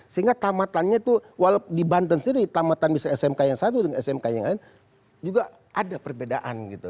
sehingga tamatannya itu di banten sendiri tamatan misalnya smk yang satu dan smk yang lain juga ada perbedaan gitu